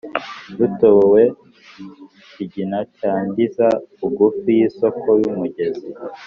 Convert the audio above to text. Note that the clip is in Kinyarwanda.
rutobwe, kigina cya ndiza bugufi y'isoko y'umugezi